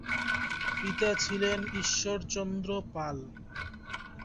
পিতা ছিলেন ঈশ্বরচন্দ্র পাল।